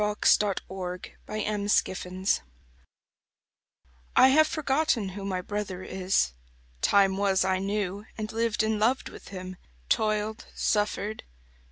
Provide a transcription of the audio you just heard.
AT EASE ON LETHE WHARF.*^ I have forgotten who my brother is. Time was I knew, and lived and loved with him; Toiled, suffered.